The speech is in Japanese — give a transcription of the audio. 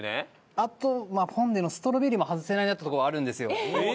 あとポン・デのストロベリーも外せないなってとこはあるんですよ。